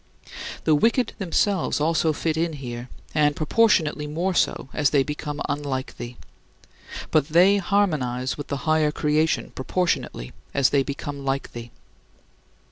The wicked themselves also fit in here, and proportionately more so as they become unlike thee but they harmonize with the higher creation proportionately as they become like thee.